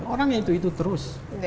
orangnya itu itu terus